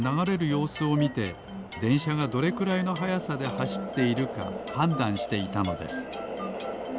ようすをみてでんしゃがどれくらいのはやさではしっているかはんだんしていたのです。